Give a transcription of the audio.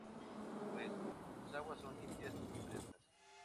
Pues, sus aguas son limpias y frescas.